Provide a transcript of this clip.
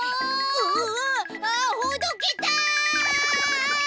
うわああほどけた。